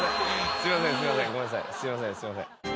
すいませんすいません。